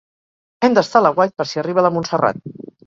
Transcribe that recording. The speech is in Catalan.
Hem d'estar a l'aguait per si arriba la Montserrat.